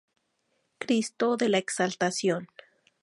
Cristo de la Exaltación, Stmo.